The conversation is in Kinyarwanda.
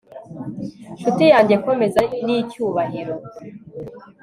nshuti yanjye, komeza! n'icyubahiro